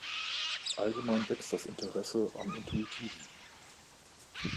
Allgemein wächst das Interesse am Intuitiven.